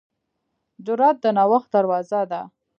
جرأت د نوښت دروازه ده.